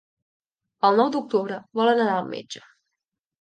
El nou d'octubre vol anar al metge.